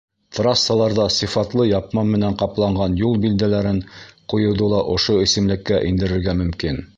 Трассаларҙа сифатлы япма менән ҡапланған юл билдәләрен ҡуйыуҙы ла ошо исемлеккә индерергә мөмкин.